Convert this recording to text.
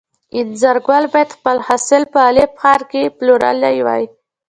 انځرګل باید خپل حاصل په الف ښار کې پلورلی وای.